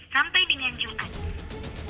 sampai dengan juta